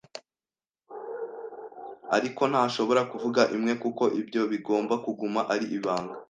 Ariko, ntashobora kuvuga imwe, kuko ibyo bigomba kuguma ari ibanga.